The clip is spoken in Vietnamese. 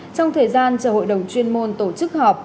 trong thời gian chờ hội đồng chuyên môn tổ chức họp